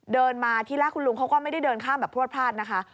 เดินมาที่แรกคุณลุงเขาก็ไม่ได้เดินข้ามแบบพลวดพลาดนะคะ